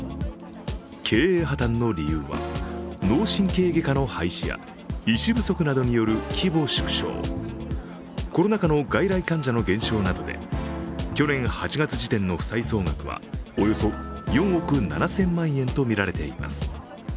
経営破綻の理由は、脳神経外科の廃止や医師不足などによる規模縮小コロナ禍の外来患者の減少などで去年８月時点の負債総額はおよそ４億７０００万円とみられています。